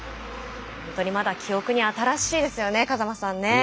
本当にまだ記憶に新しいですよね風間さん。